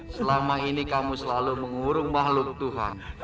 selama ini kamu selalu mengurung makhluk tuhan